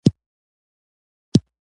هغه دا دی چې ټول یو د بل سره توپیر لري.